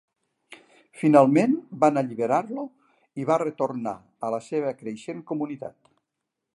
Finalment, van alliberar-lo i va retornar a la seva creixent comunitat.